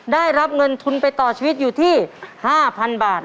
ได้รับเงินทุนไปต่อชีวิตอยู่ที่๕๐๐๐บาท